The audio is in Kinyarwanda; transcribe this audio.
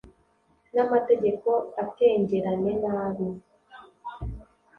N'amatako atengerane nabi